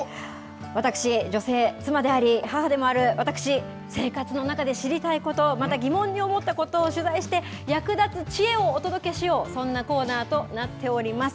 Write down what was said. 私、女性、妻であり、母でもある私、生活の中で知りたいこと、また疑問に思ったことを取材して、役立つ知恵をお届けしよう、そんなコーナーとなっております。